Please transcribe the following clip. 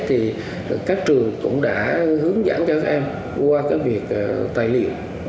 thì các trường cũng đã hướng dẫn cho các em qua cái việc tài liệu